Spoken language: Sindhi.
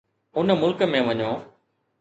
ان ملڪ ۾ وڃو.